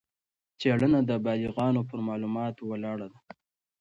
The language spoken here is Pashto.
څېړنه د بالغانو پر معلوماتو ولاړه وه.